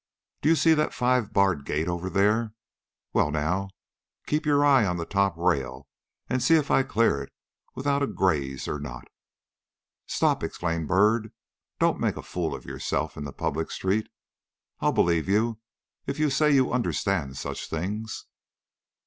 Do you see that five barred gate over there? Well, now keep your eye on the top rail and see if I clear it without a graze or not." "Stop!" exclaimed Mr. Byrd, "don't make a fool of yourself in the public street. I'll believe you if you say you understand such things."